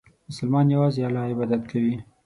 مسلمان یوازې الله عبادت کوي.